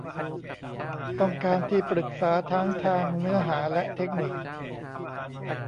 ต้องการที่ปรึกษาทั้งทางเนื้อหาและเทคนิค